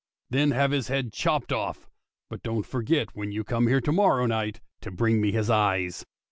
Then have his head chopped off. but don't forget when you come here to morrow night to bring me his eyes.